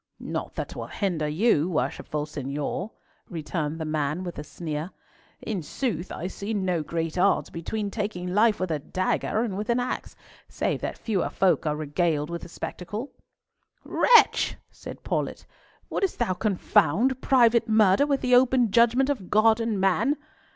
"Naught that will hinder you, worshipful seignior," returned the man with a sneer. "In sooth I see no great odds between taking life with a dagger and with an axe, save that fewer folk are regaled with the spectacle." "Wretch," said Paulett, "wouldst thou confound private murder with the open judgment of God and man?"